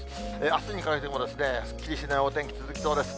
あすにかけてもすっきりしないお天気続きそうです。